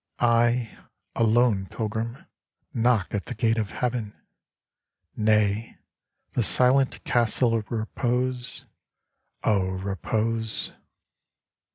I, a lone pilgrim, knock at the gate of Heaven — nay, the silent castle of Repose — O Repose